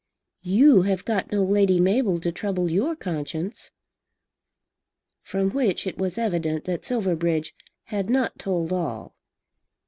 You have got no Lady Mabel to trouble your conscience." From which it was evident that Silverbridge had not told all.